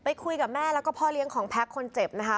คุยกับแม่แล้วก็พ่อเลี้ยงของแพ็คคนเจ็บนะคะ